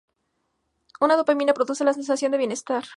La dopamina produce la sensación de bienestar.